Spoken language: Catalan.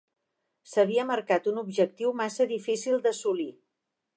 S'havia marcat un objectiu massa difícil d'assolir.